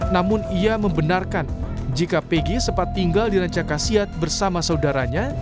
namun ia membenarkan jika pegi sempat tinggal di rancakasiat bersama saudaranya